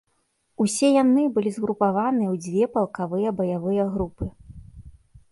Усе яны былі згрупаваныя ў дзве палкавыя баявыя групы.